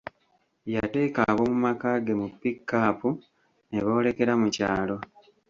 Yateeka ab'omu maka ge mu piikaapu ne boolekera mu kyalo.